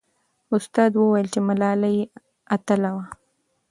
استاد وویل چې ملالۍ اتله وه.